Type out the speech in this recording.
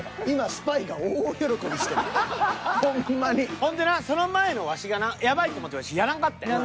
ほんでなその前のワシがなヤバいと思ってワシやらんかったんよ。